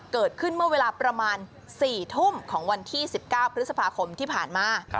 เกิดขึ้นเมื่อเวลาประมาณ๔ทุ่มของวันที่๑๙พฤษภาคมที่ผ่านมา